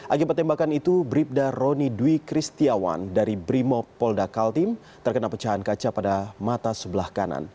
agi pertembakan itu brimop roni dwi kristiawan dari brimop polda kalimantan terkena pecahan kaca pada mata sebelah kanan